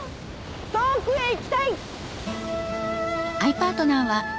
『遠くへ行きたい』！